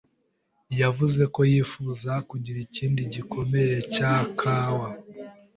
yavuze ko yifuza kugira ikindi gikombe cya kawa.